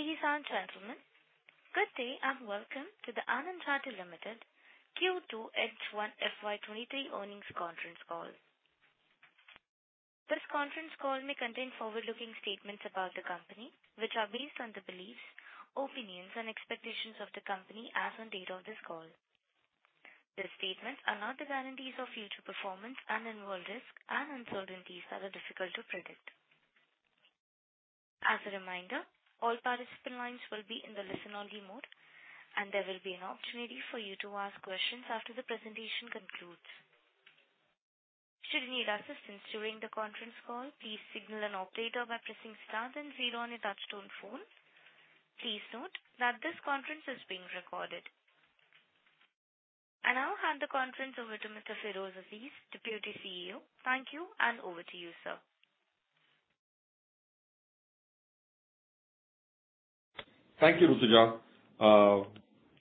Ladies and gentlemen, good day and welcome to the Anand Rathi Wealth Limited Q2 H1 FY 2023 earnings conference call. This conference call may contain forward-looking statements about the company, which are based on the beliefs, opinions and expectations of the company as on date of this call. These statements are not guarantees of future performance and involve risks and uncertainties that are difficult to predict. As a reminder, all participant lines will be in the listen-only mode, and there will be an opportunity for you to ask questions after the presentation concludes. Should you need assistance during the conference call, please signal an operator by pressing star then zero on your touch-tone phone. Please note that this conference is being recorded. I now hand the conference over to Mr. Feroze Azeez, Deputy CEO. Thank you, and over to you, sir. Thank you, Rutuja.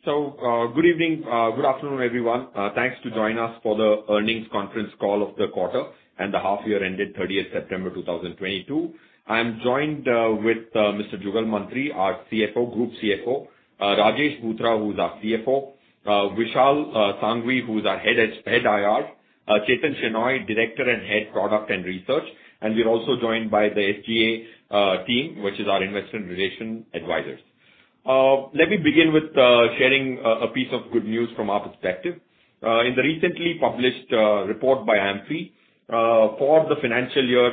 So, good evening, good afternoon, everyone. Thanks to join us for the earnings conference call of the quarter and the half year ended September 13th, 2022. I'm joined with Mr. Jugal Mantri, our CFO, Group CFO, Rajesh Bhutara, who's our CFO, Vishal Sanghavi, who's our head IR, Chethan Shenoy, Director and Head Product and Research. We're also joined by the SGA team, which is our investor relations advisors. Let me begin with sharing a piece of good news from our perspective. In the recently published report by AMFI for the financial year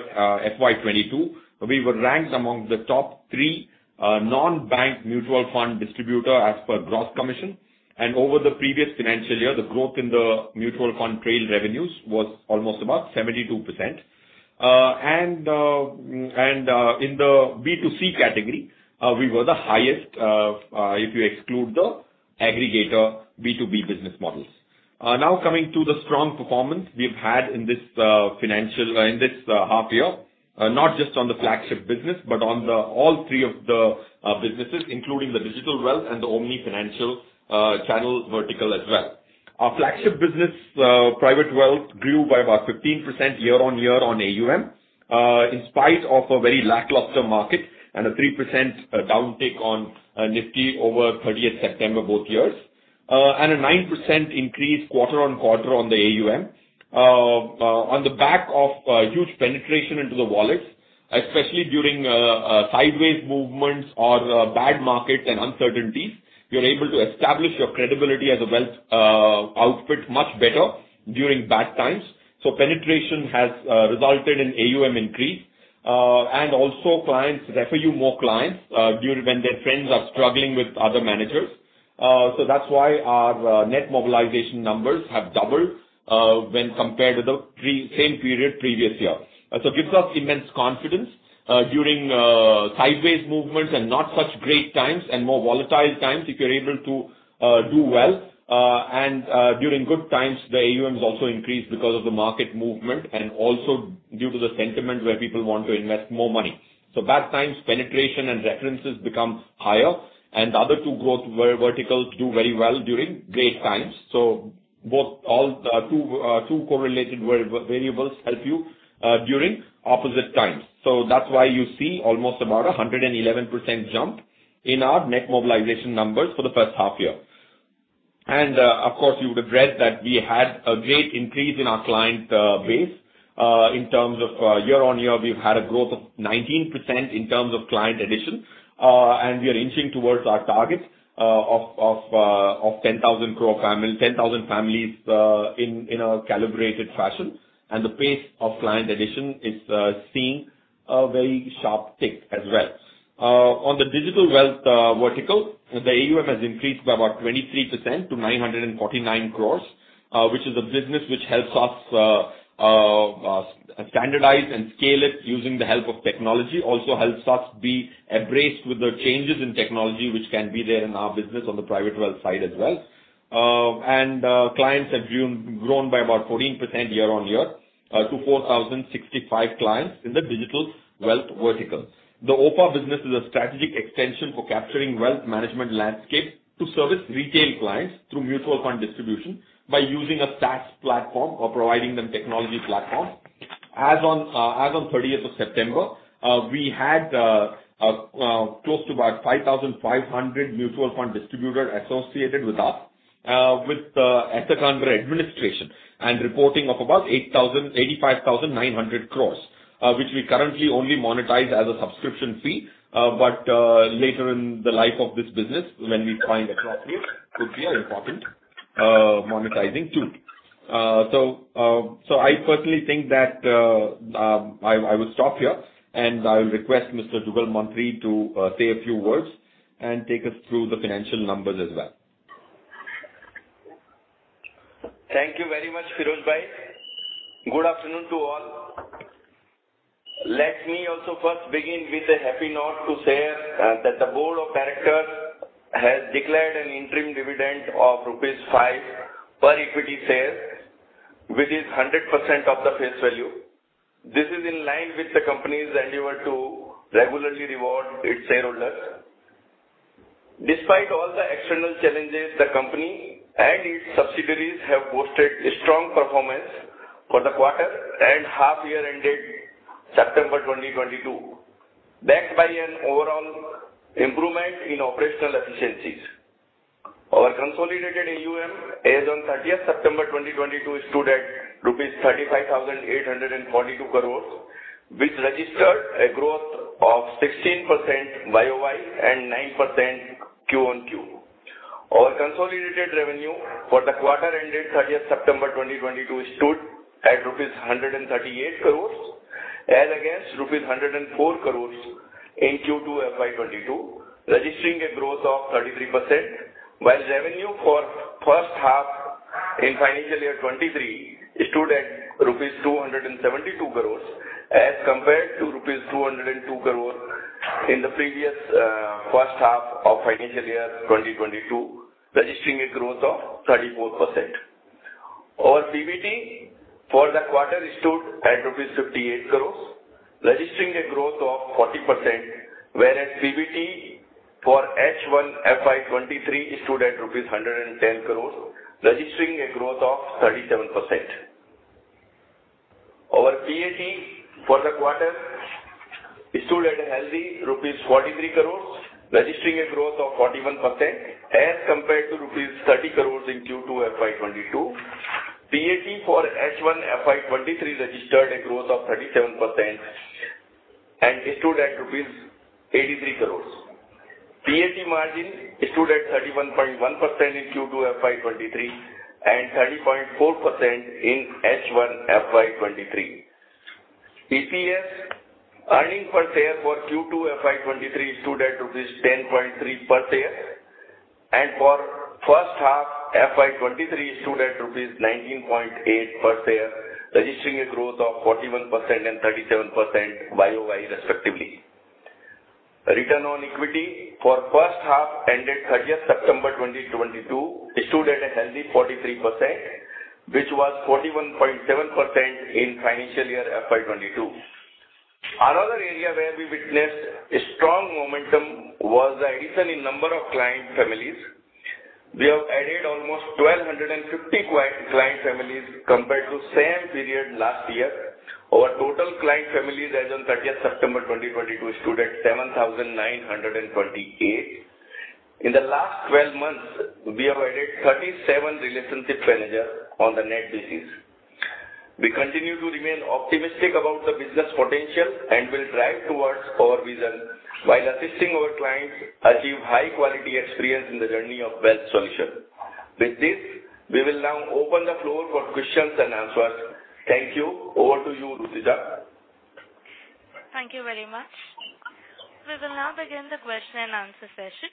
FY 2022, we were ranked among the top three non-bank mutual fund distributor as per gross commission. Over the previous financial year, the growth in the mutual fund trail revenues was almost about 72%. In the B2C category, we were the highest if you exclude the aggregator B2B business models. Now coming to the strong performance we've had in this half year, not just on the flagship business, but on all three of the businesses, including the digital wealth and the omni financial channel vertical as well. Our flagship business, private wealth grew by about 15% year-on-year on AUM, in spite of a very lackluster market and a 3% downtick on Nifty over September 30th both years. A 9% increase quarter-on-quarter on the AUM. On the back of huge penetration into the wallets, especially during sideways movements or bad markets and uncertainties, you're able to establish your credibility as a wealth outfit much better during bad times. Penetration has resulted in AUM increase. Clients refer you more clients during when their friends are struggling with other managers. That's why our net mobilization numbers have doubled when compared to the pre-same period previous year. It gives us immense confidence during sideways movements and not such great times and more volatile times if you're able to do well. During good times, the AUMs also increase because of the market movement and also due to the sentiment where people want to invest more money. Bad times, penetration and references become higher. The other two growth verticals do very well during great times. Both the two correlated variables help you during opposite times. That's why you see almost about a 111% jump in our net mobilization numbers for the first half year. Of course, you would have read that we had a great increase in our client base. In terms of year-on-year, we've had a growth of 19% in terms of client addition. We are inching towards our target of 10,000 families in a calibrated fashion. The pace of client addition is seeing a very sharp tick as well. On the digital wealth vertical, the AUM has increased by about 23% to 949 crore, which is a business which helps us standardize and scale it using the help of technology. It also helps us embrace the changes in technology, which can be there in our business on the private wealth side as well. Clients have grown by about 14% year-on-year to 4,065 clients in the digital wealth vertical. The OFA business is a strategic extension for capturing wealth management landscape to service retail clients through mutual fund distribution by using a SaaS platform or providing them technology platform. As on the September 30th, we had close to about 5,500 mutual fund distributors associated with us with a contract administration and reporting of about 85,900 crores. Which we currently only monetize as a subscription fee. Later in the life of this business, when we find appropriate, could be an important monetizing tool. I personally think that I will stop here and I'll request Mr. Jugal Mantri to say a few words and take us through the financial numbers as well. Thank you very much, Feroze. Good afternoon to all. Let me also first begin with a happy note to share that the board of directors has declared an interim dividend of 5 rupees per equity share, which is 100% of the face value. This is in line with the company's endeavor to regularly reward its shareholders. Despite all the external challenges, the company and its subsidiaries have posted a strong performance for the quarter and half year ended September 2022, backed by an overall improvement in operational efficiencies. Our consolidated AUM as on September 30th, 2022 stood at rupees 35,842 crores, which registered a growth of 16% YOY and 9% Q-on-Q. Our consolidated revenue for the quarter ended September 30th, 2022 stood at rupees 138 crores as against rupees 104 crores in Q2 FY 2022, registering a growth of 33%. While revenue for first half in financial year 2023 stood at rupees 272 crores as compared to rupees 202 crores in the previous, first half of financial year 2022, registering a growth of 34%. Our PBT for the quarter stood at 58 crores, registering a growth of 40%, whereas PBT for H1 FY 2023 stood at INR 110 crores, registering a growth of 37%. Our PAT for the quarter stood at a healthy 43 crores rupees, registering a growth of 41% as compared to 30 crores rupees in Q2 FY 2022. PAT for H1 FY 2023 registered a growth of 37% and stood at rupees 83 crores. PAT margin stood at 31.1% in Q2 FY 2023 and 30.4% in H1 FY 2023. EPS, earnings per share for Q2 FY 2023 stood at rupees 10.3 per share, and for first half FY 2023 stood at rupees 19.8 per share, registering a growth of 41% and 37% YOY respectively. Return on equity for first half ended September 30th, 2022 stood at a healthy 43%, which was 41.7% in financial year FY 2022. Another area where we witnessed a strong momentum was the addition in number of client families. We have added almost 1,250 HNI client families compared to same period last year. Our total client families as on September 30th, 2022 stood at 7,928. In the last 12 months, we have added 37 relationship managers on the net basis. We continue to remain optimistic about the business potential and will drive towards our vision while assisting our clients achieve high quality experience in the journey of wealth solution. With this, we will now open the floor for questions-and-answers. Thank you. Over to you, Rutuja. Thank you very much. We will now begin the question-and-answer session.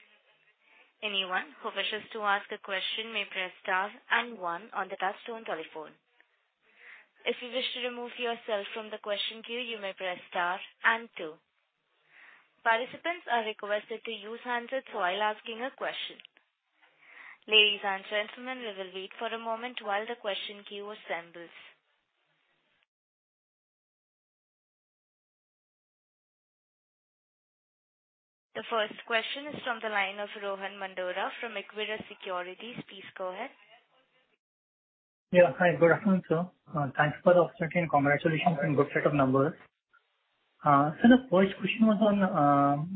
Anyone who wishes to ask a question may press star and one on the touchtone telephone. If you wish to remove yourself from the question queue, you may press star and two. Participants are requested to use handsets while asking a question. Ladies and gentlemen, we will wait for a moment while the question queue assembles. The first question is from the line of Rohan Mandora from Equirus Securities. Please go ahead. Yeah. Hi. Good afternoon, sir. Thanks for the opportunity and congratulations on good set of numbers. The first question was on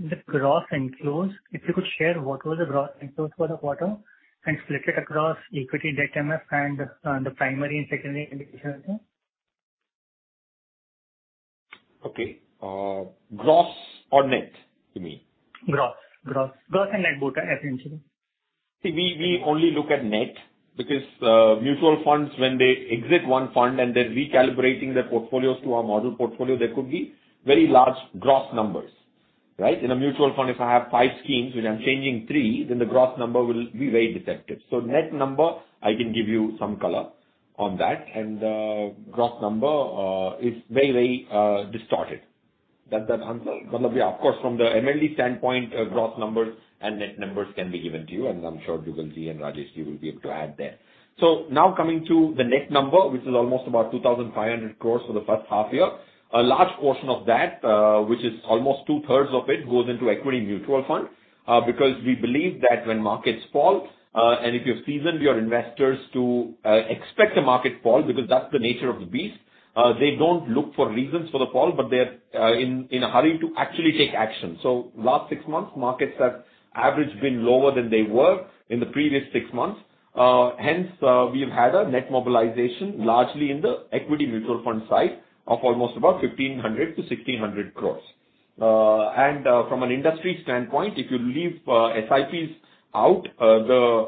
the gross inflows. If you could share what was the gross inflows for the quarter and split it across equity debt MF and the primary and secondary indications, sir. Okay. Gross or net you mean? Gross and net both are essentially. See, we only look at net because mutual funds, when they exit one fund and they're recalibrating their portfolios to our model portfolio, there could be very large gross numbers, right? In a mutual fund, if I have five schemes, when I'm changing three, then the gross number will be very deceptive. Net number, I can give you some color on that. Gross number is very distorted. That's the answer gonna be. Of course, from the MLD standpoint, gross numbers and net numbers can be given to you, and I'm sure Jugal and Rajesh will be able to add there. Now coming to the net number, which is almost about 2,500 crores for the first half year. A large portion of that, which is almost 2/3 of it, goes into equity mutual fund. Because we believe that when markets fall, and if you've seasoned your investors to expect a market fall, because that's the nature of the beast, they don't look for reasons for the fall, but they are in a hurry to actually take action. Last six months, markets have on average been lower than they were in the previous six months. Hence, we've had a net mobilization largely in the equity mutual fund side of almost about 1,500 crore-1,600 crore. From an industry standpoint, if you leave SIPs out, the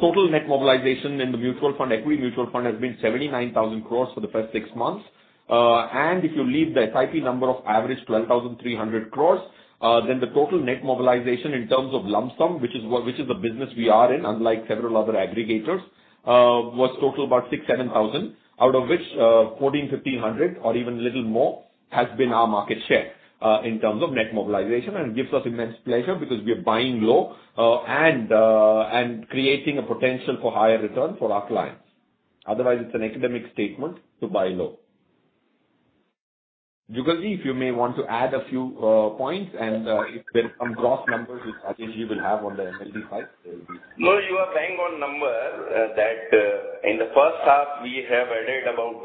total net mobilization in the equity mutual fund has been 79,000 crore for the first six months. If you leave the SIP number of average 12,300 crores, then the total net mobilization in terms of lump sum, which is the business we are in, unlike several other aggregators, was total about 6,000 crore- 7,000 crore. Out of which, 1,400 crore-1,500 crore or even a little more has been our market share, in terms of net mobilization. It gives us immense pleasure because we are buying low, and creating a potential for higher return for our clients. Otherwise it's an academic statement to buy low. Jugal, if you may want to add a few points and if there's some gross numbers which Rajesh Bhutara you will have on the MLD side. No, you are bang on the number. In the first half, we have added about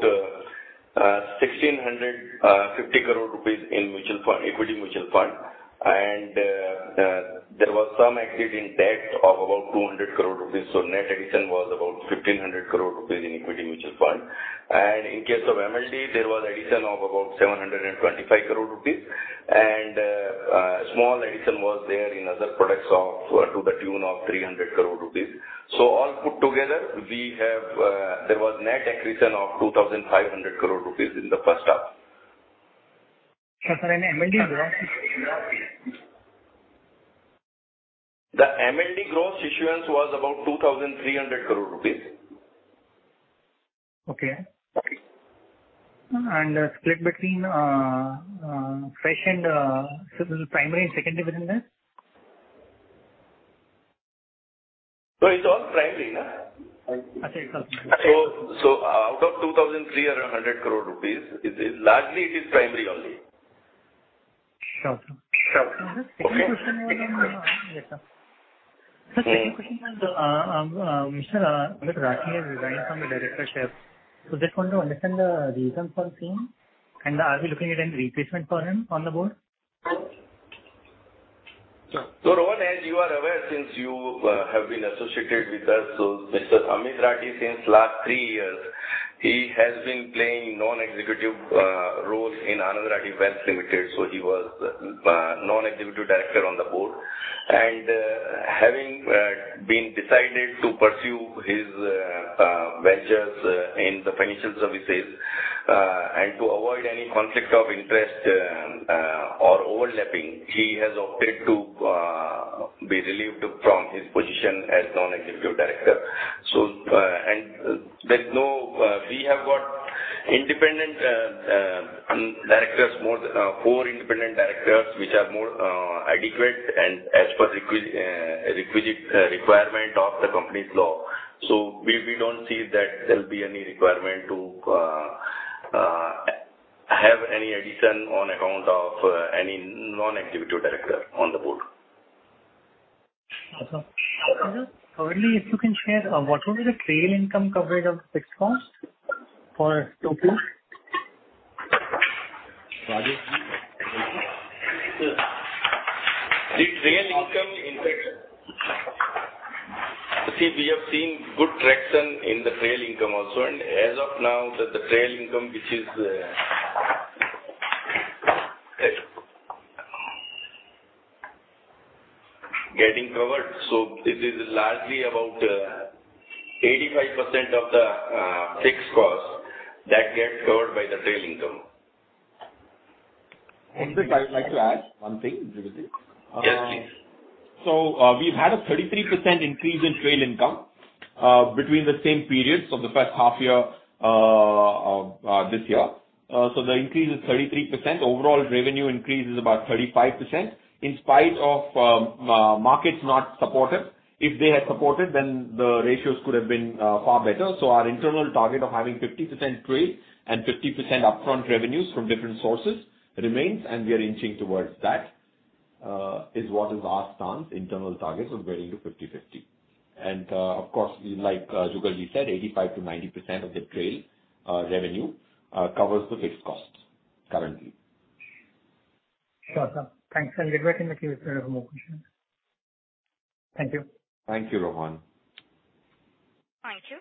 1,650 crore rupees in mutual fund, equity mutual fund. There was some exit in debt of about 200 crore rupees. Net addition was about 1,500 crore rupees in equity mutual fund. In case of MLD, there was addition of about 725 crore rupees. A small addition was there in other products to the tune of 300 crore rupees. All put together, there was net accretion of 2,500 crore rupees in the first half. Sir, MLD gross? The MLD gross issuance was about 2,300 crore rupees. Okay. Okay. and primary and secondary within that? It's all primary. I see. It's all primary. Out of 2,300 crore rupees, it is largely primary only. Sure, sir. Sure. Sir, second question on Mr. Amit Rathi has resigned from the directorship. Just want to understand the reason for same, and are we looking at any replacement for him on the board? Rohan, as you are aware, since you have been associated with us, Mr. Amit Rathi since last three years has been playing non-executive role in Anand Rathi Wealth Limited. He was non-executive director on the board. Having been decided to pursue his ventures in the financial services and to avoid any conflict of interest or overlapping, he has opted to be relieved from his position as non-executive director. We have got independent directors, more four independent directors, which are more adequate and as per requisite requirement of the company's law. We don't see that there'll be any requirement to have any addition on account of any non-executive director on the board. Okay. Sir, thirdly, if you can share, what was the trail income coverage of fixed costs for total? Rajesh. The trail income in fact. See, we have seen good traction in the trail income also. As of now, the trail income which is getting covered, so this is largely about 85% of the fixed costs that get covered by the trail income. Sir, I would like to add one thing, Jugal. Yes, please. We've had a 33% increase in trail income between the same periods of the first half year of this year. The increase is 33%. Overall revenue increase is about 35% in spite of markets not supportive. If they had supported, the ratios could have been far better. Our internal target of having 50% trail and 50% upfront revenues from different sources remains, and we are inching towards that. That is what our stance is, internal target of getting to 50/50. Of course, like Jugal said, 85%-90% of the trail revenue covers the fixed cost currently. Sure, sir. Thanks. I'll get back in the queue if there are more questions. Thank you. Thank you, Rohan. Thank you.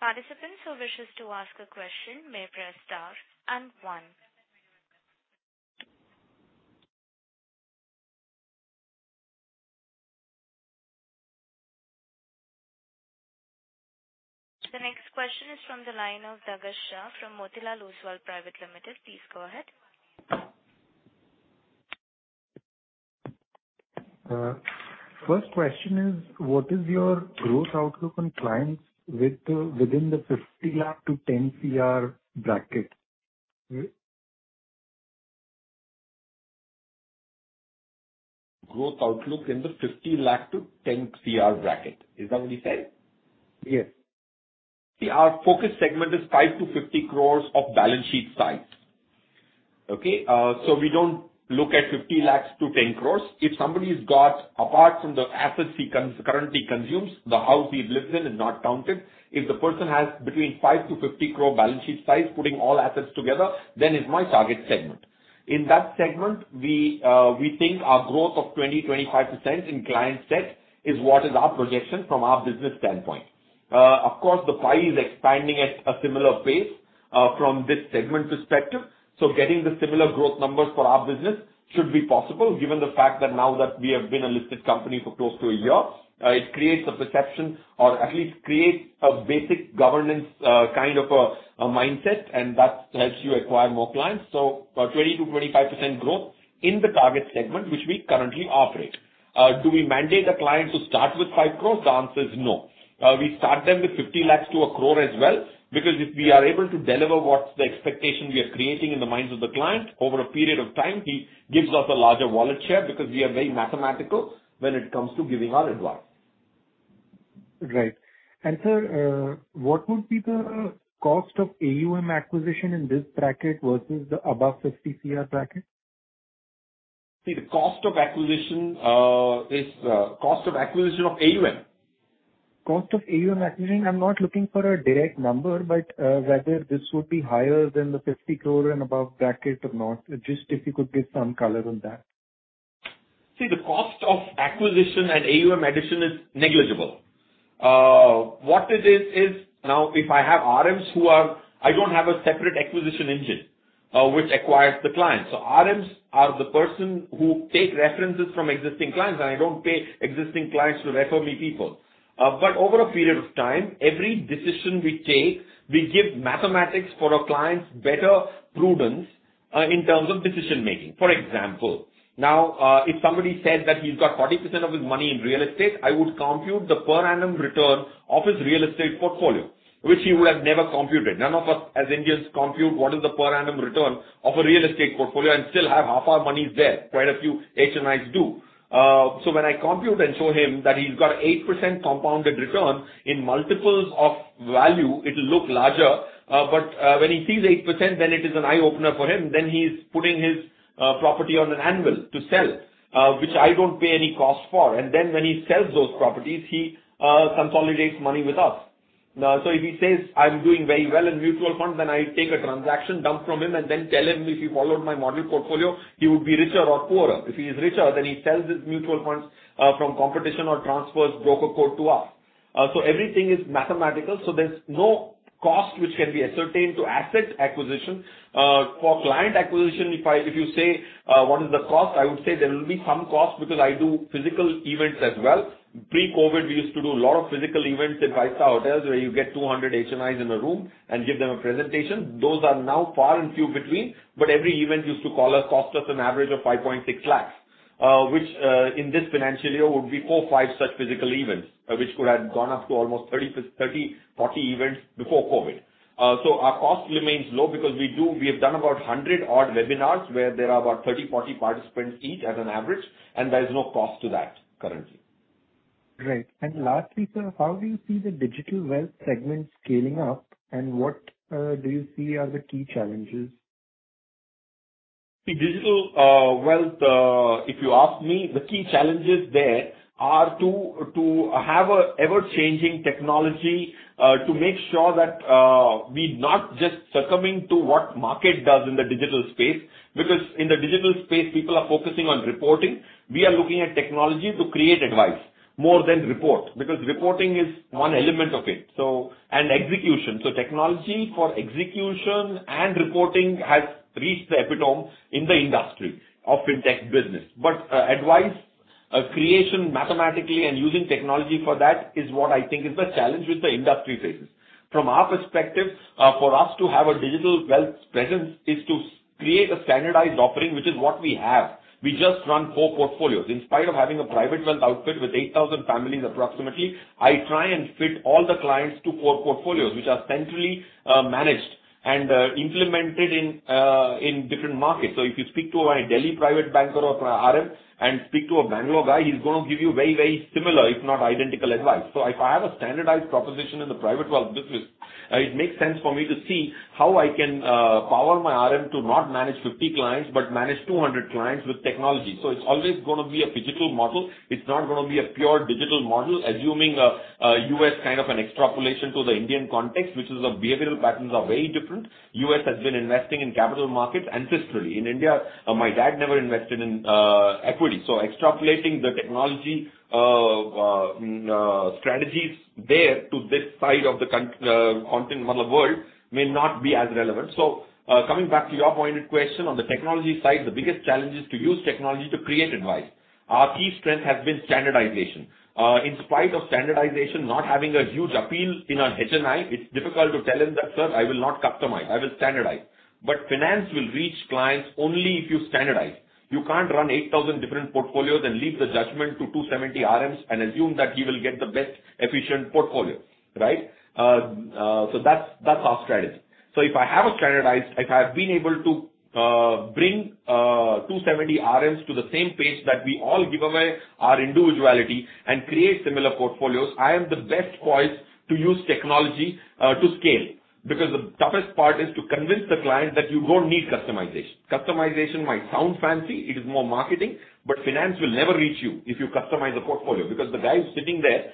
Participants who wishes to ask a question may press star and one. The next question is from the line of Amit Shah from Motilal Oswal Financial Services Limited. Please go ahead. First question is, what is your growth outlook on clients within the 50 lakh to 10 Cr bracket? Growth outlook in the 50 lakh to 10 Cr bracket. Is that what he said? Yes. See, our focus segment is 5 crore-50 crore balance sheet size. We don't look at 50 lakh to 10 crore. If somebody's got, apart from the assets he currently consumes, the house he lives in is not counted. If the person has between 5 crore-50 crore balance sheet size, putting all assets together, then it's my target segment. In that segment, we think our growth of 20%-25% in client set is what is our projection from our business standpoint. Of course, the pie is expanding at a similar pace from this segment perspective. Getting the similar growth numbers for our business should be possible given the fact that now that we have been a listed company for close to a year, it creates a perception or at least creates a basic governance, kind of a mindset, and that helps you acquire more clients. 20%-25% growth in the target segment, which we currently operate. Do we mandate a client to start with 5 crore? The answer is no. We start them with 50 lakh to 1 crore as well, because if we are able to deliver what's the expectation we are creating in the minds of the client over a period of time, he gives us a larger wallet share because we are very mathematical when it comes to giving our advice. Right. Sir, what would be the cost of AUM acquisition in this bracket versus the above 50 Cr bracket? See, cost of acquisition of AUM? Cost of AUM acquisition. I'm not looking for a direct number, but, whether this would be higher than the 50 crore and above bracket or not. Just if you could give some color on that. See, the cost of acquisition and AUM addition is negligible. What it is now if I have RMs, I don't have a separate acquisition engine, which acquires the clients. RMs are the person who take references from existing clients, and I don't pay existing clients to refer me people. Over a period of time, every decision we take, we give mathematics for our clients better prudence, in terms of decision-making. For example, now, if somebody says that he's got 40% of his money in real estate, I would compute the per annum return of his real estate portfolio, which he would have never computed. None of us as Indians compute what is the per annum return of a real estate portfolio and still have half our monies there. Quite a few HNIs do. When I compute and show him that he's got 8% compounded return in multiples of value, it'll look larger. When he sees 8%, it is an eye-opener for him. He's putting his property on an anvil to sell, which I don't pay any cost for. When he sells those properties, he consolidates money with us. If he says, "I'm doing very well in mutual funds," I take a transaction dump from him and tell him, "If you followed my model portfolio, you would be richer or poorer." If he is richer, he sells his mutual funds from competition or transfers broker code to us. Everything is mathematical, so there's no cost which can be ascertained to asset acquisition. For client acquisition, if you say what is the cost, I would say there will be some cost because I do physical events as well. Pre-COVID, we used to do a lot of physical events in five-star hotels where you get 200 HNIs in a room and give them a presentation. Those are now far and few between, but every event used to cost us an average of 5.6 lakhs. Which, in this financial year would be 4 lakhs-5 lakhs such physical events, which could have gone up to almost 30-40 events before COVID. Our cost remains low because we have done about 100-odd webinars where there are about 30-40 participants each as an average, and there's no cost to that currently. Great. Lastly, sir, how do you see the digital wealth segment scaling up, and what do you see are the key challenges? The digital wealth, if you ask me, the key challenges there are to have a ever-changing technology, to make sure that we're not just succumbing to what market does in the digital space. Because in the digital space, people are focusing on reporting. We are looking at technology to create advice more than report, because reporting is one element of it, and execution. So technology for execution and reporting has reached the epitome in the industry of fintech business. But advice creation mathematically and using technology for that is what I think is the challenge which the industry faces. From our perspective, for us to have a digital wealth presence is to create a standardized offering, which is what we have. We just run four portfolios. In spite of having a private wealth outfit with 8,000 families approximately, I try and fit all the clients to four portfolios which are centrally managed and implemented in different markets. If you speak to my Delhi private banker or RM and speak to a Bangalore guy, he's gonna give you very, very similar, if not identical advice. If I have a standardized proposition in the private wealth business, it makes sense for me to see how I can power my RM to not manage 50 clients, but manage 200 clients with technology. It's always gonna be a phygital model. It's not gonna be a pure digital model, assuming a U.S. Kind of an extrapolation to the Indian context, which is the behavioral patterns are very different. U.S. has been investing in capital markets ancestrally. In India, my dad never invested in equity. Extrapolating the technology strategies there to this side of the continuum of the world may not be as relevant. Coming back to your pointed question on the technology side, the biggest challenge is to use technology to create advice. Our key strength has been standardization. In spite of standardization not having a huge appeal in an HNI, it's difficult to tell him that, "Sir, I will not customize. I will standardize." Finance will reach clients only if you standardize. You can't run 8,000 different portfolios and leave the judgment to 270 RMs and assume that he will get the best efficient portfolio, right? That's our strategy. If I have a standardized If I've been able to bring 270 RMs to the same page, that we all give away our individuality and create similar portfolios, I am the best poised to use technology to scale. Because the toughest part is to convince the client that you don't need customization. Customization might sound fancy, it is more marketing, but finance will never reach you if you customize a portfolio, because the guy who's sitting there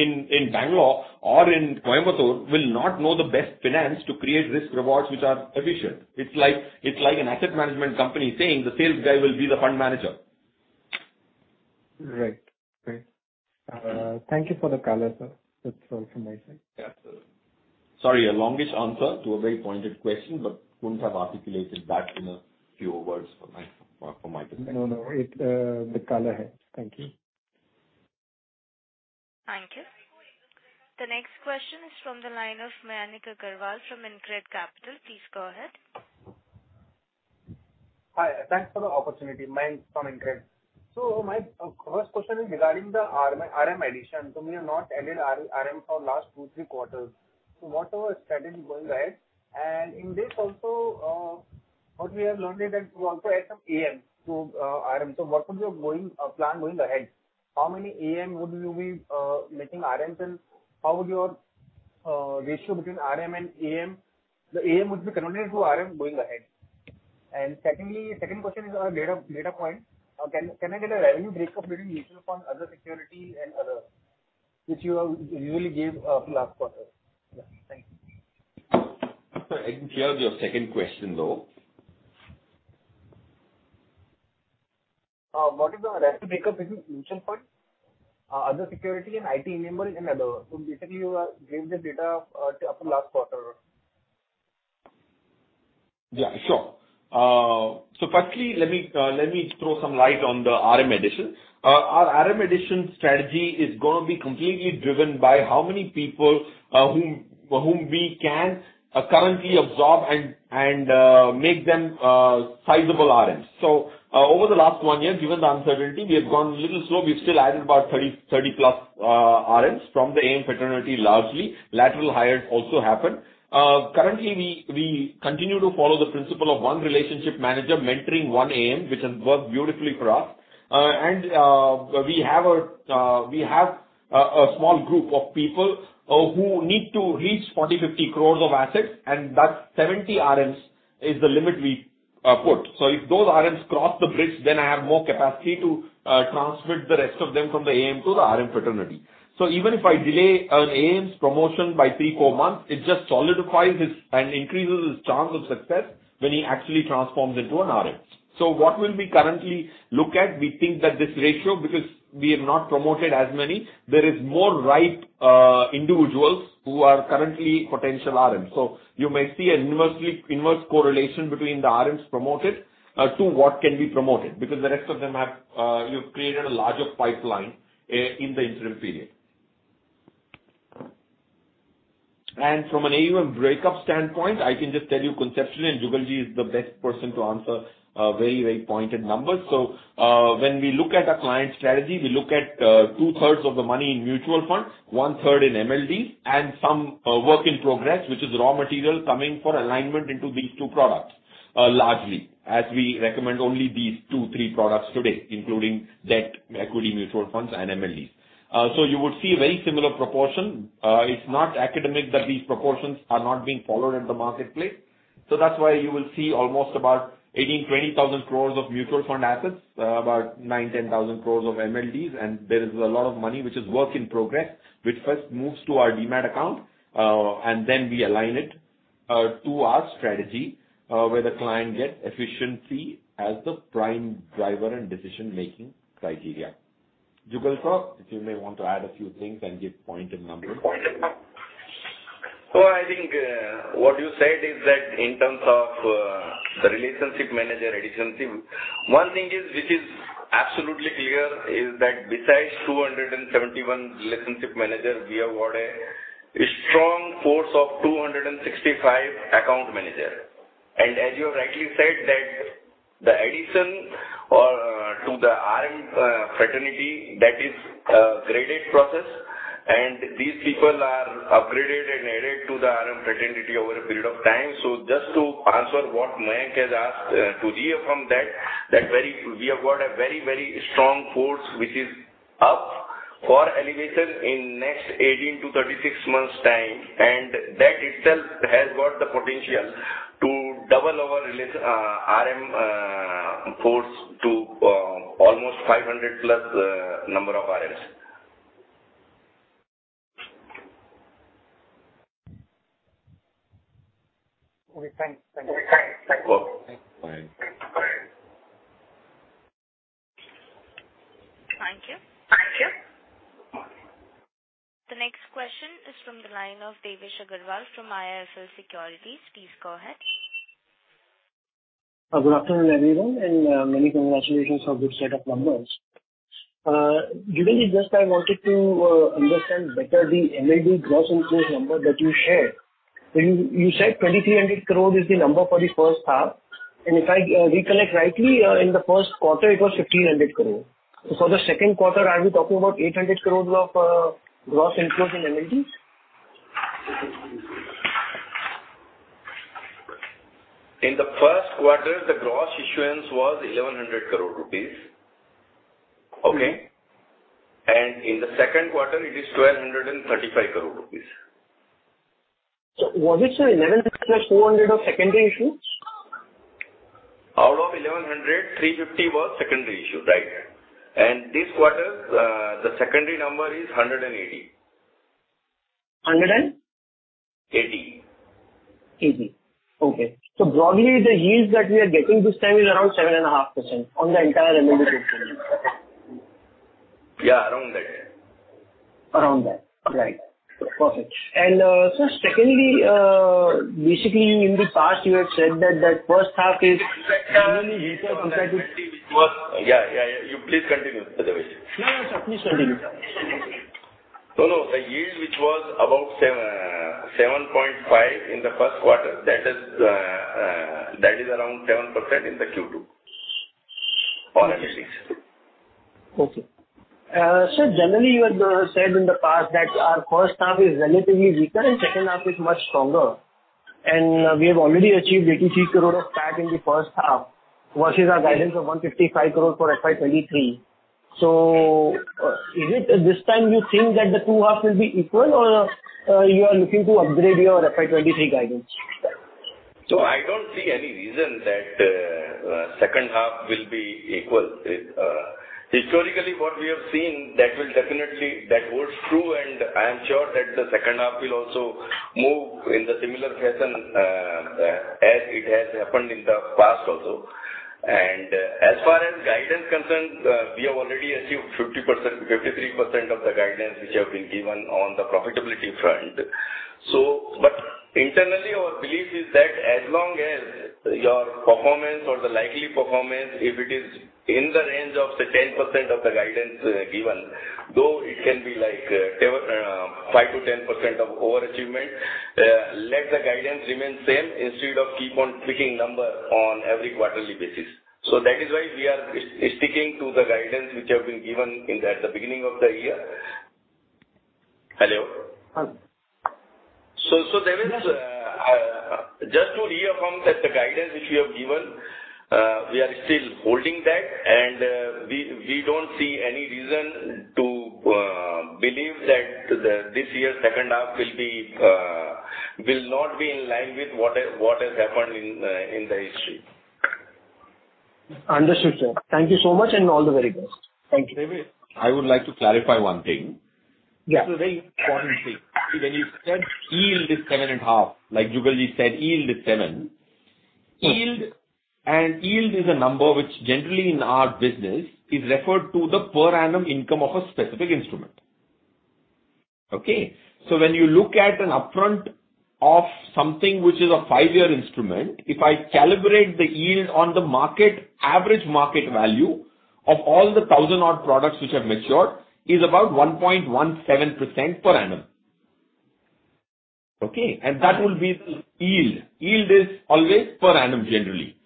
in Bangalore or in Coimbatore will not know the best finance to create risk rewards which are efficient. It's like an asset management company saying the sales guy will be the fund manager. Right. Great. Thank you for the color, sir. That's all from my side. Yeah, absolutely. Sorry, a longish answer to a very pointed question, but wouldn't have articulated that in a few words from my perspective. No, no. It, the color helped. Thank you. Thank you. The next question is from the line of Mayank Agrawal from InCred Capital. Please go ahead. Hi. Thanks for the opportunity. Mayank from Intrade. My first question is regarding the RM addition. You have not added RM for last two to three quarters. What is our strategy going ahead? In this also, we have learned that you also add some AM to RM. What would be your plan going ahead? How many AM would you be making RMs? How would your ratio between RM and AM, the AM would be converted to RM going ahead? Secondly, second question is on data point. Can I get a revenue breakup between mutual fund, other security and other, which you have usually gave last quarter? Yeah. Thank you. Sir, I didn't hear your second question, though. What is the revenue breakup between mutual fund, other security and IT-enabled and other? Basically you gave the data up to last quarter. Yeah, sure. Firstly, let me throw some light on the RM addition. Our RM addition strategy is gonna be completely driven by how many people whom we can currently absorb and make them sizable RMs. Over the last one year, given the uncertainty, we have gone a little slow. We've still added about 30+ RMs from the AM fraternity, largely. Lateral hires also happened. Currently we continue to follow the principle of one relationship manager mentoring one AM, which has worked beautifully for us. We have a small group of people who need to reach 40 crore-50 crore of assets, and that 70 RMs is the limit we put. If those RMs cross the bridge, then I have more capacity to transmit the rest of them from the AM to the RM fraternity. Even if I delay an AM's promotion by three to four months, it just solidifies his and increases his chance of success when he actually transforms into an RM. What will we currently look at? We think that this ratio, because we have not promoted as many, there is more ripe individuals who are currently potential RMs. You may see an inverse correlation between the RMs promoted to what can be promoted because the rest of them have you've created a larger pipeline in the interim period. From an AUM breakup standpoint, I can just tell you conceptually, and Jugal Ji is the best person to answer very, very pointed numbers. When we look at a client strategy, we look at 2/3 of the money in mutual funds, one-third in MLDs and some work in progress, which is raw material coming for alignment into these two products, largely, as we recommend only these two, three products today, including debt, equity mutual funds and MLDs. You would see a very similar proportion. It's not academic that these proportions are not being followed in the marketplace. That's why you will see almost about 18,000 crore-20,000 crore of mutual fund assets, about 9,000 crore-10,000 crore of MLDs. There is a lot of money which is work in progress, which first moves to our Demat account, and then we align it to our strategy, where the client gets efficiency as the prime driver and decision-making criteria. Jugal sir, if you may want to add a few things and give pointed numbers. I think what you said is that in terms of the relationship manager addition team, one thing which is absolutely clear is that besides 271 relationship manager, we have got a strong force of 265 account manager. As you rightly said that the addition to the RM fraternity, that is a graded process, and these people are upgraded and added to the RM fraternity over a period of time. Just to answer what Mayank has asked, to reaffirm that, we have got a very, very strong force which is up for elevation in next 18-36 months' time, and that itself has got the potential to double our RM force to almost 500+ number of RMs. Okay, thanks. Thank you. Okay, bye. Bye. Thank you. The next question is from the line of Devesh Agarwal from IIFL Securities. Please go ahead. Good afternoon, everyone, and many congratulations for good set of numbers. Given that I just wanted to understand better the MLD gross inflows number that you shared. When you said 2,300 crore is the number for the first half. And if I recollect rightly, in the first quarter it was 1,500 crore. For the second quarter, are you talking about 800 crores of gross inflows in MLDs? In the first quarter, the gross issuance was 1,100 crore rupees. Okay. In the second quarter it is 1,235 crore rupees. Was it, sir, 1,100 crore plus 400 crore of secondary issues? Out of 1,100 crore, 350 crore was secondary issue. Right. This quarter, the secondary number is 180 crore. 100 and? 80 80. Okay. Broadly, the yields that we are getting this time is around 7.5% on the entire MLD portfolio. Yeah, around that. Around that. Right. Perfect. Sir, secondly, basically in the past you have said that the first half is usually. Yeah. You please continue, Devesh. No, no, sir. Please continue. No, no. The yield which was about 7.5% in the first quarter, that is around 7% in the Q2. All logistics. Okay. Sir, generally you had said in the past that our first half is relatively weaker and second half is much stronger. We have already achieved 83 crore of PAT in the first half versus our guidance of 155 crore for FY 2023. Is it this time you think that the two halves will be equal or you are looking to upgrade your FY 2023 guidance? I don't see any reason that second half will be equal with. Historically, what we have seen that will definitely, that holds true, and I am sure that the second half will also move in the similar fashion, as it has happened in the past also. As far as guidance concerned, we have already achieved 50%, 53% of the guidance which have been given on the profitability front. But internally, our belief is that as long as your performance or the likely performance, if it is in the range of say 10% of the guidance, given, though it can be like, 5%-10% of overachievement, let the guidance remain same instead of keep on tweaking number on every quarterly basis. That is why we are sticking to the guidance which have been given in the beginning of the year. Hello? Yes. Devesh, just to reaffirm that the guidance which we have given, we are still holding that and we don't see any reason to believe that this year's second half will not be in line with what has happened in the history. Understood, sir. Thank you so much and all the very best. Thank you. Devesh, I would like to clarify one thing. Yeah. This is a very important thing. When you said yield is 7.5%, like Jugal said, yield is 7%. Yes. Yield and yield is a number which generally in our business is referred to the per annum income of a specific instrument. Okay? When you look at an upfront of something which is a five year instrument, if I calibrate the yield on the market, average market value of all the 1,000-odd products which have matured is about 1.17% per annum. Okay? That will be the yield. Yield is always per annum generally.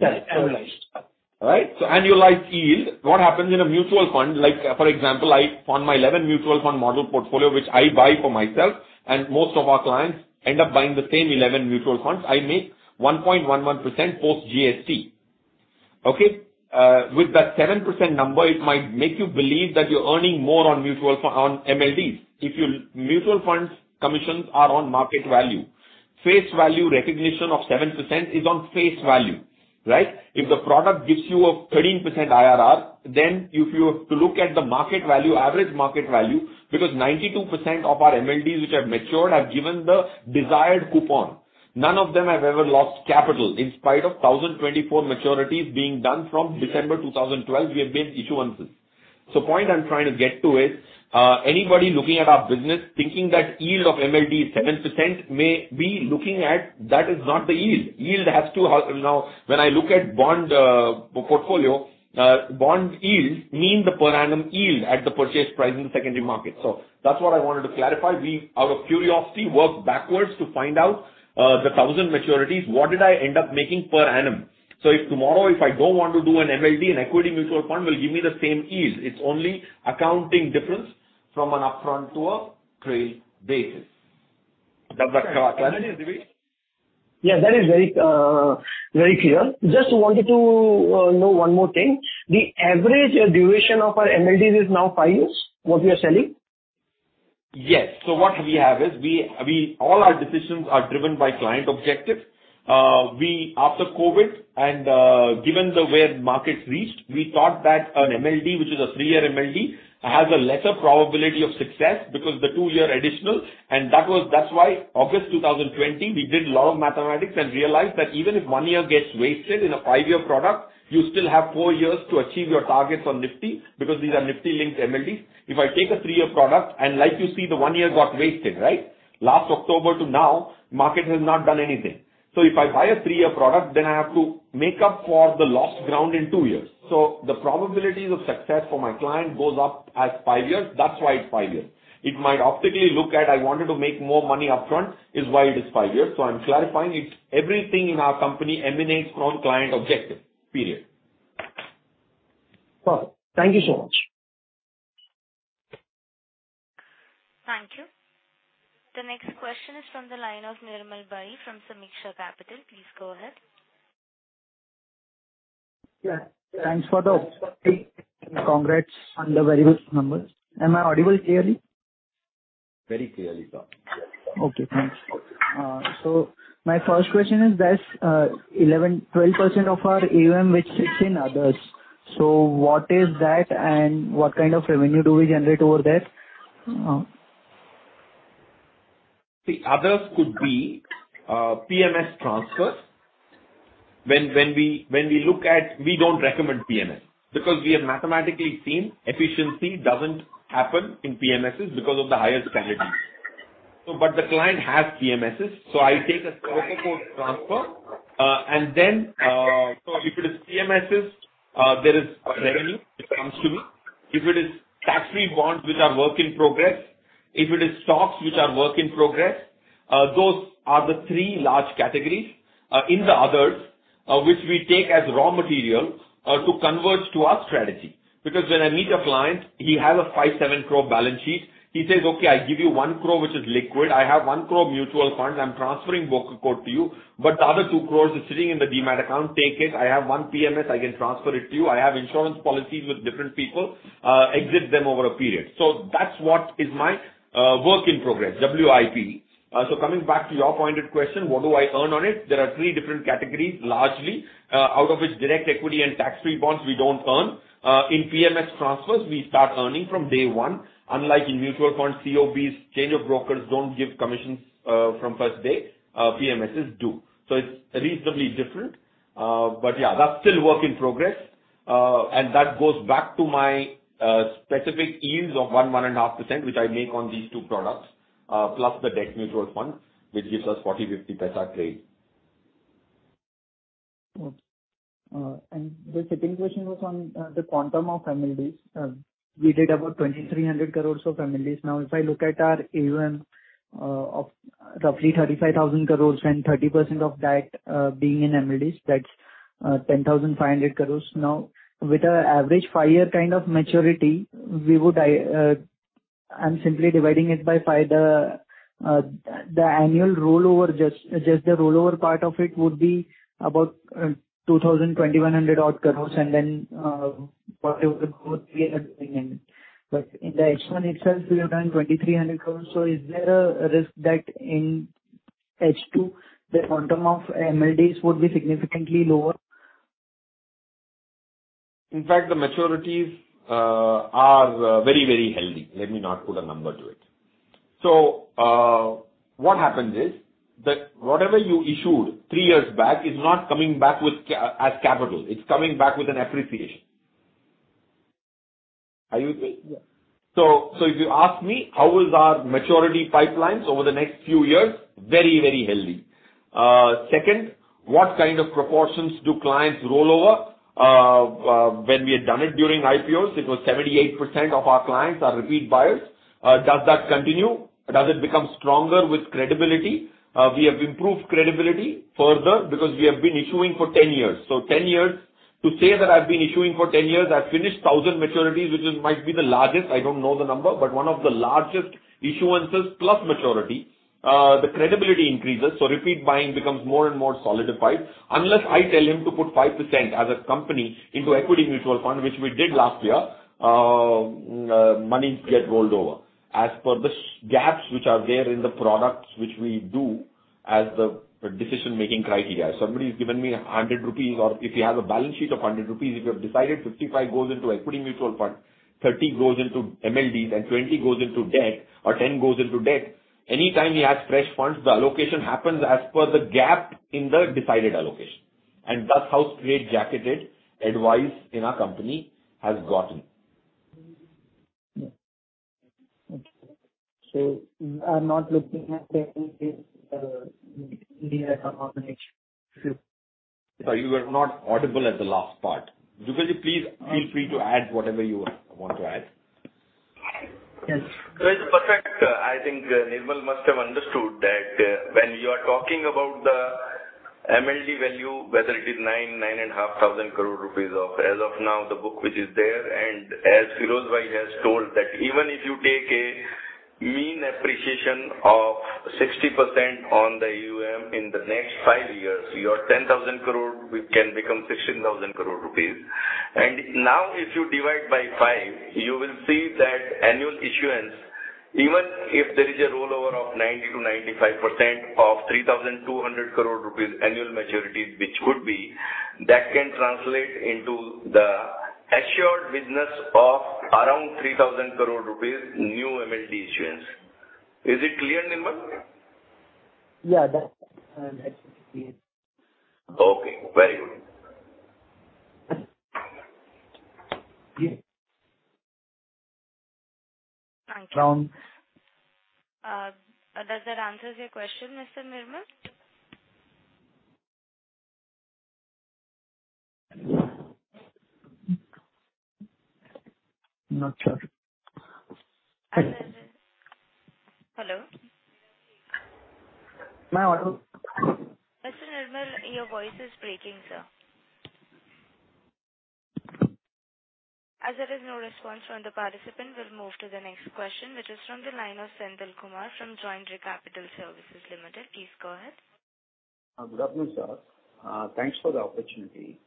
Got it. Annualized. All right? Annualized yield, what happens in a mutual fund, like for example, I, on my 11 mutual fund model portfolio, which I buy for myself and most of our clients end up buying the same 11 mutual funds, I make 1.11% post GST. Okay? With that 7% number it might make you believe that you're earning more on mutual fund, on MLDs. If your mutual funds commissions are on market value, face value recognition of 7% is on face value, right? If the product gives you a 13% IRR, then if you look at the market value, average market value, because 92% of our MLDs which have matured have given the desired coupon. None of them have ever lost capital. In spite of 1,024 maturities being done from December 2012, we have made issuances. Point I'm trying to get to is, anybody looking at our business thinking that yield of MLD is 7% may be looking at that is not the yield. Yield has to have. Now, when I look at bond portfolio, bond yields mean the per annum yield at the purchase price in the secondary market. That's what I wanted to clarify. We, out of curiosity, work backwards to find out the bond maturities, what did I end up making per annum. If tomorrow, if I don't want to do an MLD, an equity mutual fund will give me the same yield. It's only accounting difference from an upfront to a trail basis. Does that clarify, Devesh? Yeah, that is very, very clear. Just wanted to know one more thing. The average duration of our MLDs is now five years, what we are selling? Yes. What we have is all our decisions are driven by client objectives. We, after COVID and given the way markets reacted, thought that an MLD, which is a three-year MLD, has a lesser probability of success because the two-year additional. That's why August 2020, we did lot of mathematics and realized that even if one year gets wasted in a five-year product, you still have four years to achieve your targets on Nifty because these are Nifty-linked MLDs. If I take a three-year product and like you see the one year got wasted, right? Last October to now, market has not done anything. If I buy a three-year product, then I have to make up for the lost ground in two years. The probabilities of success for my client goes up as five years. That's why it's five years. It might optically look like I wanted to make more money upfront is why it is five years. I'm clarifying it. Everything in our company emanates from client objective. Period. Perfect. Thank you so much. Thank you. The next question is from the line of Nirmal Bari from Sameeksha Capital. Please go ahead. Yeah. Thanks for the update and congrats on the very good numbers. Am I audible clearly? Very clearly, sir. Yes. Okay, thanks. My first question is this, 11%-12% of our AUM which sits in others. What is that and what kind of revenue do we generate over that? See, others could be PMS transfer. When we look at, we don't recommend PMS because we have mathematically seen efficiency doesn't happen in PMSs because of the higher standard. The client has PMSs, so I take a scope for cold transfer. If it is PMSs, there is revenue which comes to me. If it is tax-free bonds which are work in progress. If it is stocks which are work in progress, those are the three large categories in the others which we take as raw material to convert to our strategy. Because when I meet a client, he has a 5 crore-7 crore balance sheet. He says, "Okay, I give you 1 crore, which is liquid. I have 1 crore mutual fund. I'm transferring broker code to you, but the other 2 crore is sitting in the Demat account. Take it. I have one PMS, I can transfer it to you. I have insurance policies with different people, exit them over a period." That's what is my work in progress, WIP. Coming back to your pointed question, what do I earn on it? There are three different categories, largely, out of which direct equity and tax-free bonds we don't earn. In PMS transfers we start earning from day one. Unlike in mutual funds, COBs, change of brokers don't give commissions from first day, PMSs do. It's reasonably different. Yeah, that's still work in progress. That goes back to my specific yields of 1.5%, which I make on these two products, plus the debt mutual fund, which gives us 0.40 crore-0.50 crore a trade. Okay. The second question was on the quantum of MLD. We did about 2,300 crores of MLDs. Now, if I look at our AUM of roughly 35,000 crores and 30% of that being in MLDs, that's 10,500 crores. Now, with an average five year kind of maturity, we would. I'm simply dividing it by 5. The annual rollover, just the rollover part of it would be about 2,000 crores-2,100 crores odd and then whatever the growth we are doing in it. But in the H1 itself, we have done 2,300 crores. So is there a risk that in H2 the quantum of MLDs would be significantly lower? In fact, the maturities are very, very healthy. Let me not put a number to it. What happens is that whatever you issued three years back is not coming back as capital, it's coming back with an appreciation. Are you with me? Yeah. If you ask me how is our maturity pipelines over the next few years, very, very healthy. Second, what kind of proportions do clients rollover? When we had done it during IPOs, it was 78% of our clients are repeat buyers. Does that continue? Does it become stronger with credibility? We have improved credibility further because we have been issuing for 10 years. 10 years. To say that I've been issuing for 10 years, I've finished 1,000 maturities, which is, might be the largest, I don't know the number, but one of the largest issuances plus maturity. The credibility increases, so repeat buying becomes more and more solidified. Unless I tell him to put 5% as a company into equity mutual fund, which we did last year, monies get rolled over. As per the gaps which are there in the products which we do as the decision-making criteria. Somebody's given me 100 crore rupees if you have a balance sheet of 100 crore rupees, if you have decided 55 goes into equity mutual fund, 30 goes into MLDs, and 20 goes into debt, or 10 goes into debt, anytime he adds fresh funds, the allocation happens as per the gap in the decided allocation. That's how strait-jacketed advice in our company has gotten. Yeah. Okay. I'm not looking at any case in the next six- Sorry, you were not audible at the last part. Jugal, please feel free to add whatever you want to add. Yes. It's perfect. I think Nirmal must have understood that, when you are talking about the MLD value, whether it is 9,000 crore-9,500 crore rupees of as of now the book which is there, and as Feroze brother has told that even if you take a mean appreciation of 60% on the AUM in the next five years, your 10,000 crore can become 16,000 crore rupees. Now if you divide by 5 you will see that annual issuance, even if there is a rollover of 90%-95% of 3,200 crore rupees annual maturities, which could be, that can translate into the assured business of around 3,000 crore rupees new MLD issuance. Is it clear, Nirmal? Yeah, that's clear. Okay, very good. Yeah. Thank you. Now- Does that answers your question, Mr. Nirmal? Not sure. Hello? My audio- Mr. Nirmal, your voice is breaking, sir. As there is no response from the participant, we'll move to the next question, which is from the line of Senthil Kumar from Joindre Capital Services Limited. Please go ahead. Good afternoon, sir. Thanks for the opportunity.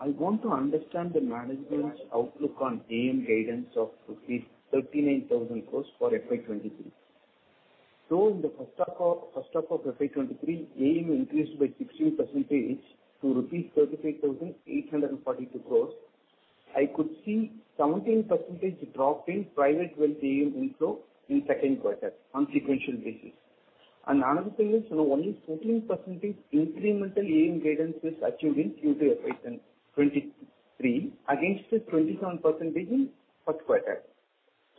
I want to understand the management's outlook on AM guidance of rupees 39,000 crore for FY 2023. In the first half of FY 2023, AM increased by 16% to rupees 33,842 crore. I could see 17% drop in private wealth AM inflow in the second quarter on a sequential basis. Another thing is, you know, only 14% incremental AM guidance is achieved in Q2 of FY 2023 against the 27% in first quarter.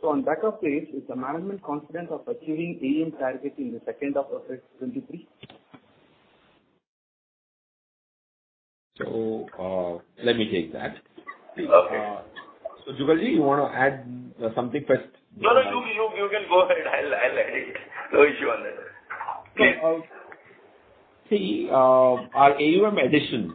On the back of that, is the management confident of achieving AM target in the second half of FY 2023? Let me take that. Okay. Jugal, you wanna add something first? No. You can go ahead. I'll edit. No issue on that. See, our AUM addition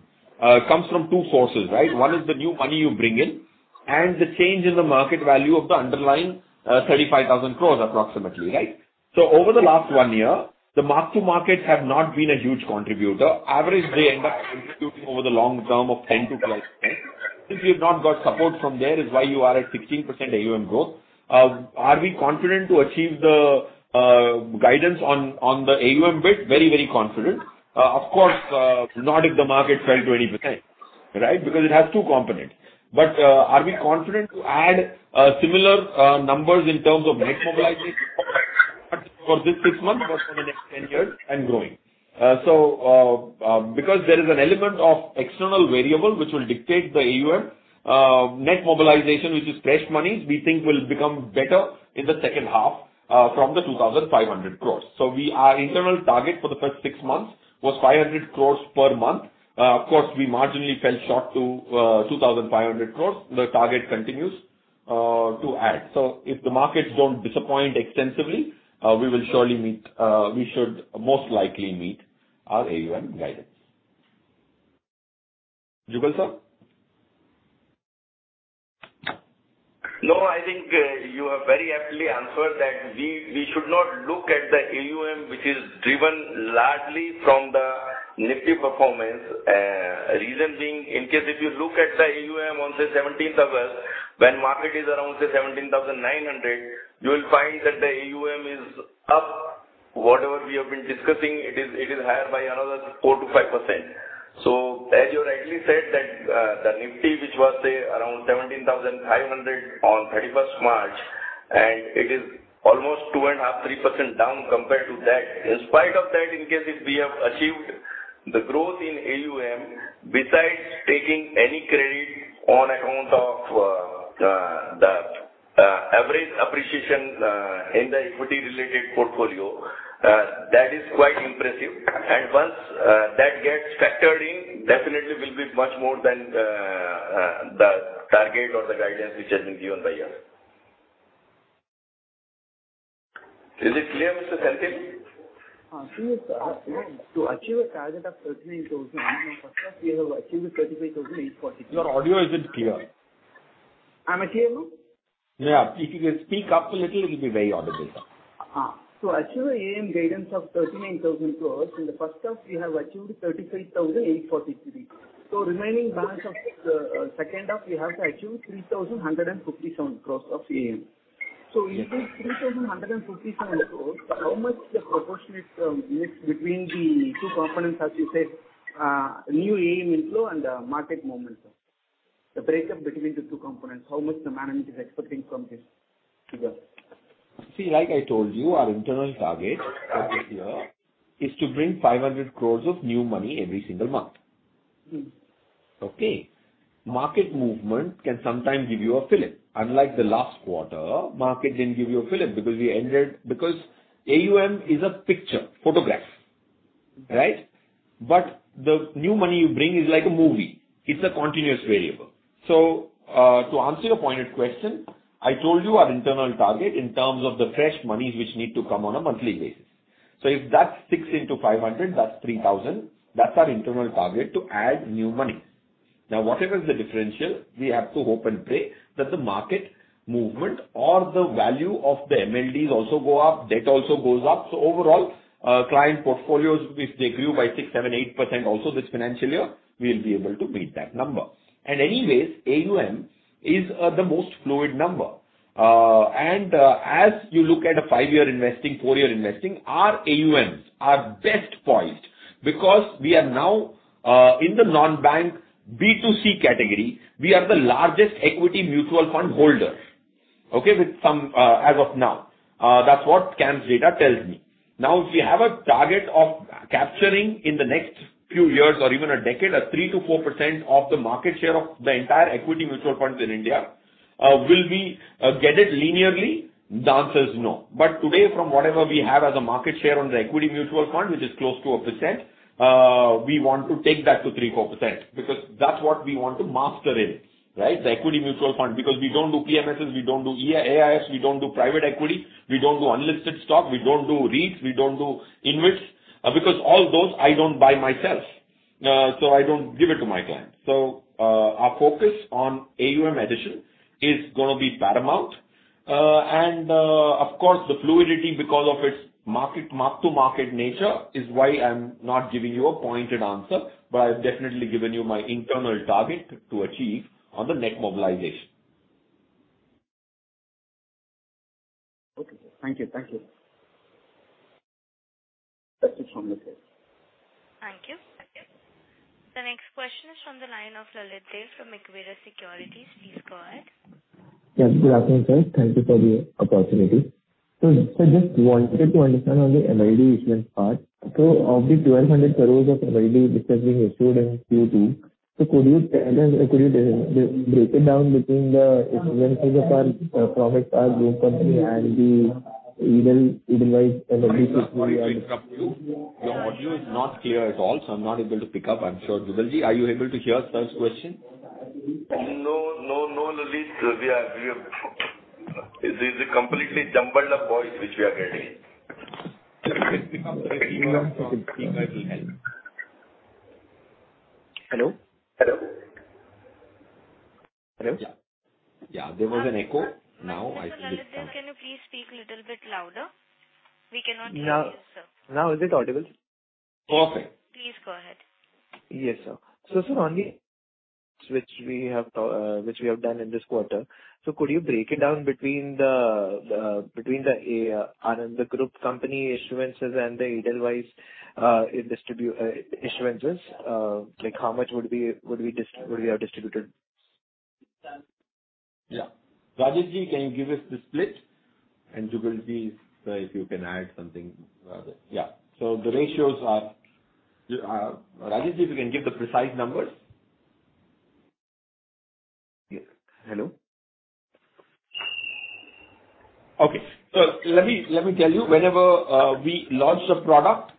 comes from two sources, right? One is the new money you bring in and the change in the market value of the underlying, 35,000 crore approximately, right? Over the last one year, the mark-to-market have not been a huge contributor. Average, they end up contributing over the long term of 10 to +10. Since we've not got support from there, that's why you are at 16% AUM growth. Are we confident to achieve the guidance on the AUM bit? Very, very confident. Of course, not if the market fell 20%, right? Because it has two components. Are we confident to add similar numbers in terms of net mobilization? Not for this six months, but for the next 10 years and growing. Because there is an element of external variable which will dictate the AUM, net mobilization, which is fresh money, we think will become better in the second half, from the 2,500 crores. Our internal target for the first six months was 500 crores per month. Of course, we marginally fell short to, 2,500 crores. The target continues to add. If the markets don't disappoint extensively, we will surely meet, we should most likely meet our AUM guidance. Jugal, sir. No, I think you have very aptly answered that we should not look at the AUM which is driven largely from the Nifty performance. Reason being, in case if you look at the AUM on the August 17th, when market is around, say, 17,900 crore, you will find that the AUM is up. Whatever we have been discussing, it is higher by another 4%-5%. As you rightly said that the Nifty, which was, say, around 17,500 crore on March 31st, and it is almost 2.5%-3% down compared to that. In spite of that, in case if we have achieved the growth in AUM, besides taking any credit on account of the average appreciation in the equity related portfolio, that is quite impressive. Once, that gets factored in, definitely will be much more than the target or the guidance which has been given by you. Is it clear, Mr. Selvakumar? Yes. To achieve a target of 39,100%, we have achieved 35,843%. Your audio isn't clear. Am I audible? Yeah. If you can speak up a little, it'll be very audible. To achieve AUM guidance of 39,000 crores, in the first half we have achieved 35,843 crores. Remaining balance of the second half, we have to achieve 3,157 crores of AUM. In this 3,157 crores, how much the proportionate mix between the two components, as you said, new AUM inflow and the market movement? The breakup between the two components, how much the management is expecting from this together? See, like I told you, our internal target for this year is to bring 500 crores of new money every single month. Mm-hmm. Okay? Market movement can sometimes give you a fillip. Unlike the last quarter, market didn't give you a fillip. AUM is a picture, photograph, right? But the new money you bring is like a movie. It's a continuous variable. To answer your pointed question, I told you our internal target in terms of the fresh monies which need to come on a monthly basis. If that's 6 into 500, that's 3,000. That's our internal target to add new money. Now, whatever is the differential, we have to hope and pray that the market movement or the value of the MLDs also go up, debt also goes up. Overall, client portfolios, if they grew by 6%, 7%, 8% also this financial year, we'll be able to meet that number. Anyways, AUM is the most fluid number. As you look at a five-year investing, four-year investing, our AUMs are best poised because we are now in the non-bank B2C category, we are the largest equity mutual fund holder, okay? With some, as of now. That's what CAMS data tells me. Now, if we have a target of capturing in the next few years or even a decade, a 3%-4% of the market share of the entire equity mutual funds in India, will we get it linearly? The answer is no. Today, from whatever we have as a market share on the equity mutual fund, which is close to 1%, we want to take that to 3%-4% because that's what we want to master in, right? The equity mutual fund. Because we don't do PMSs, we don't do AIFs, we don't do private equity, we don't do unlisted stock, we don't do REITs, we don't do InvITs. Because all those I don't buy myself, so I don't give it to my clients. Our focus on AUM addition is gonna be paramount. Of course, the fluidity because of its market, mark to market nature is why I'm not giving you a pointed answer, but I've definitely given you my internal target to achieve on the net mobilization. Okay. Thank you. Thank you. That's it from this end. Thank you. The next question is from the line of Lalit Deo from Equirus Securities. Please go ahead. Yes, good afternoon, sir. Thank you for the opportunity. Sir, just wanted to understand on the MLD issuance part. Of the 1,200 crore of MLD which has been issued in Q2, could you tell us, could you break it down between the issuances of our parent company and the IDBI's MLD? Sorry to interrupt you. Your audio is not clear at all, so I'm not able to pick up. I'm sure Jugal, are you able to hear sir's question? No, no, Lalit. We are. This is a completely jumbled up voice which we are getting. Hello. Hello. Hello. Yeah. Yeah. There was an echo. Now I think it is done. Mr. Lalit, can you please speak little bit louder? We cannot hear you, sir. Now, is it audible? Perfect. Please go ahead. Yes, sir. Sir, on which we have done in this quarter, could you break it down between the group company issuances and the Edelweiss issuances? Like how much would we have distributed? Yeah. Rajesh, can you give us the split? Jugal, if you can add something. Yeah. The ratios are. Rajesh, if you can give the precise numbers. Yes. Hello? Okay. Let me tell you. Whenever we launched a product,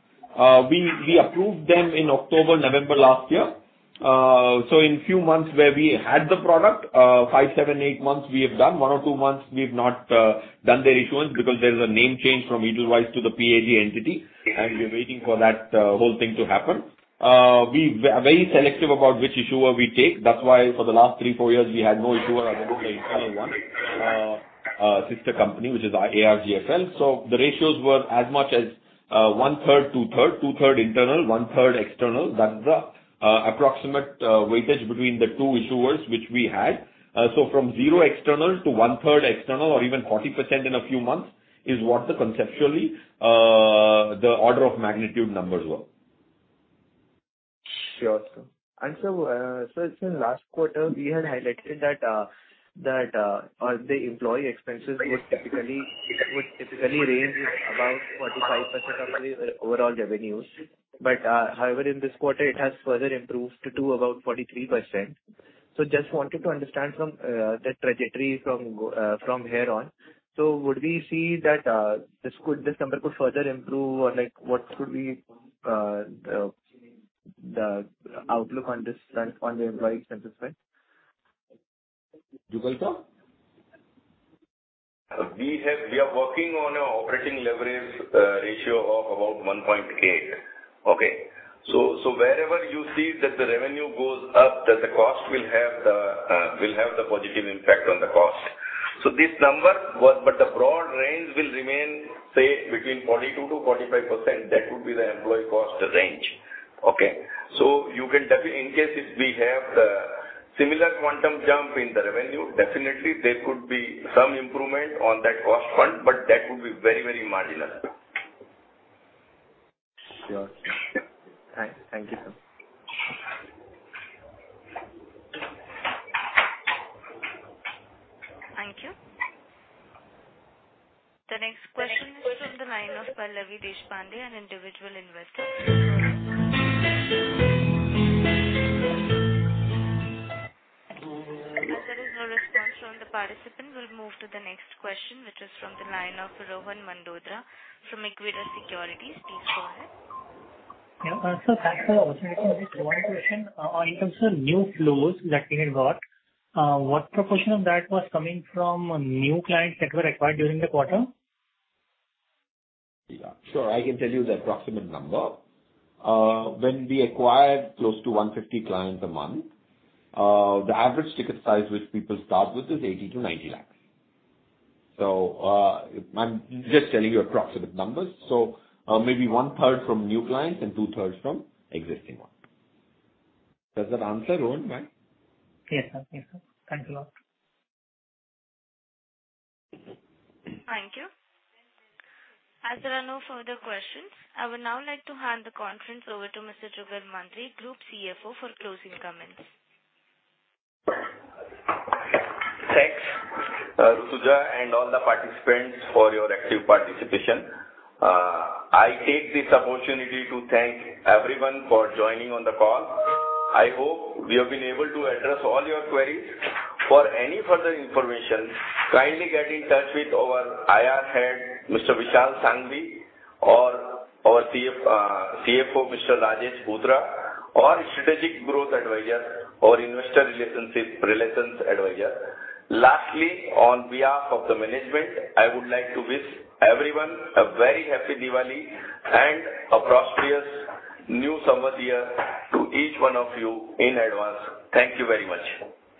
we approved them in October, November last year. In a few months where we had the product, five, seven, eight months we have done. One or two months we've not done their issuance because there's a name change from Edelweiss to the PAG entity. Okay. We are waiting for that whole thing to happen. We are very selective about which issuer we take. That's why for the last 3-4 years we had no issuer other than the internal one, sister company, which is ARGFL. The ratios were as much as 1/3, 2/3. 2/3 internal, 1/3 external. That's the approximate weightage between the two issuers which we had. From zero external to 1/3 external or even 40% in a few months is what conceptually the order of magnitude numbers were. Sure, sir. Since last quarter we had highlighted that the employee expenses would typically range about 45% of the overall revenues. However, in this quarter it has further improved to about 43%. Just wanted to understand from the trajectory from here on. Would we see that this number could further improve? Or like what could be the outlook on this front on the employee expenses, right? Jugal Sir. We are working on an operating leverage ratio of about 1.8. Okay? Wherever you see that the revenue goes up, the cost will have the positive impact on the cost. This number was. The broad range will remain, say between 42%-45%. That would be the employee cost range. Okay? In case if we have the similar quantum jump in the revenue, definitely there could be some improvement on that cost front, but that would be very marginal. Sure, sir. Thank you, sir. Thank you. The next question is from the line of Pallavi Deshpande, an individual investor. As there is no response from the participant, we'll move to the question, which is from the line of Rohan Mandora from Equirus Securities. Please go ahead. Yeah. Sir, thanks for the opportunity. Just one question. In terms of new flows that we had got, what proportion of that was coming from new clients that were acquired during the quarter? Yeah, sure. I can tell you the approximate number. When we acquired close to 150 clients a month, the average ticket size which people start with is 80 lakhs-90 lakhs. I'm just telling you approximate numbers. Maybe one-third from new clients and 2/3 from existing ones. Does that answer, Rohan, right? Yes, sir. Thank you a lot. Thank you. As there are no further questions, I would now like to hand the conference over to Mr. Jugal Mantri, Group CFO, for closing comments. Thanks, Rutuja, and all the participants for your active participation. I take this opportunity to thank everyone for joining on the call. I hope we have been able to address all your queries. For any further information, kindly get in touch with our IR head, Mr. Vishal Sanghavi, or our CFO, Mr. Rajesh Bhutara, or Strategic Growth Advisors or investor relations advisor. Lastly, on behalf of the management, I would like to wish everyone a very happy Diwali and a prosperous new Samvat year to each one of you in advance. Thank you very much.